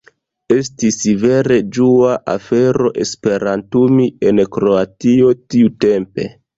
Estis vere ĝua afero esperantumi en Kroatio tiutempe.